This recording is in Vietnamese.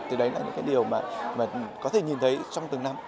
thì đấy là những điều mà mình có thể nhìn thấy trong từng năm